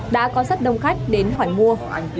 đã có rất đông khách đến hỏi mua